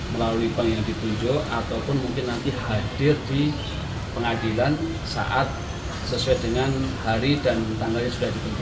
melalui bank yang ditunjuk ataupun mungkin nanti hadir di pengadilan saat sesuai dengan hari dan tanggalnya sudah ditentukan